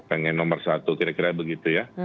pengen nomor satu kira kira begitu ya